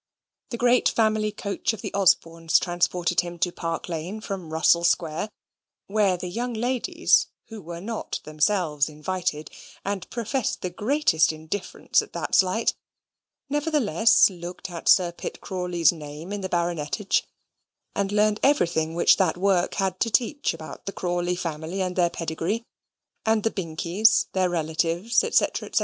The great family coach of the Osbornes transported him to Park Lane from Russell Square; where the young ladies, who were not themselves invited, and professed the greatest indifference at that slight, nevertheless looked at Sir Pitt Crawley's name in the baronetage; and learned everything which that work had to teach about the Crawley family and their pedigree, and the Binkies, their relatives, &c., &c.